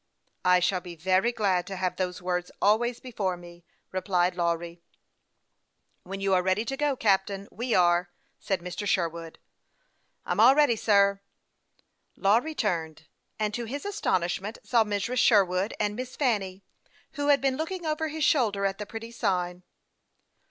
" I shall be very glad to have those words always before me," replied Lawry. " When you are ready to go, captain, we are," said Mr. Sherwood. " I'm all ready, sir." Lawry turned, and to his astonishment saw Mrs. Sherwood and Miss Fanny, who had been looking over his shoulder at the pretty sign.